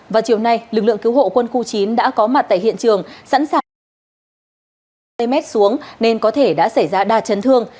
và chiều nay lực lượng cứu hộ quân khu chín đã có mặt tại hiện trường sẵn sàng xuống nên có thể đã xảy ra đa chấn thương